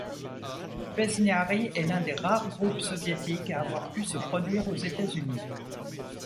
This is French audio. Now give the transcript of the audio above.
Pesniary est l'un des rares groupes soviétiques à avoir pu se produire aux États-Unis.